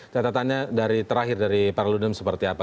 tata tata nya dari terakhir dari para lumen seperti apa